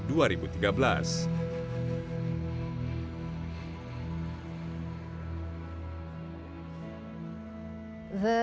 jumlah penyakit lupus di indonesia